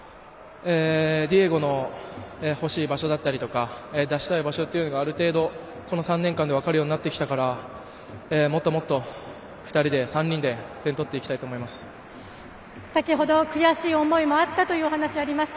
ディエゴの欲しい場所や出したい場所というのがある程度、この３年間で分かるようになってきたからもっともっと２人で、３人で先程、悔しい思いもあったというお話がありました。